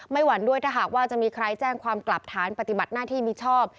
หวั่นด้วยถ้าหากว่าจะมีใครแจ้งความกลับฐานปฏิบัติหน้าที่มิชอบ